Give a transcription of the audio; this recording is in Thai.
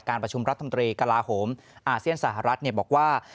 ประชุมรัฐมนตรีกลาโหมอาเซียนสหรัฐบอกว่า